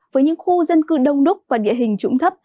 với những khu dân cư đông đúc và địa hình trũng thấp